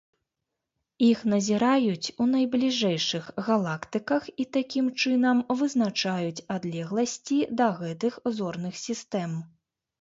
Іх назіраюць у найбліжэйшых галактыках і такім чынам вызначаюць адлегласці да гэтых зорных сістэм.